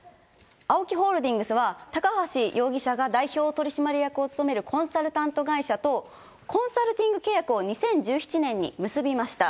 ＡＯＫＩホールディングスは、高橋容疑者が代表取締役を務めるコンサルタント会社とコンサルティング契約を、２０１７年に結びました。